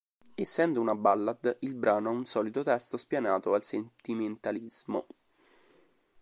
Essendo una ballad, il brano ha un solito testo spianato al sentimentalismo.